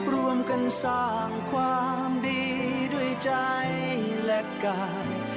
รวมกันสร้างความดีด้วยใจและกาย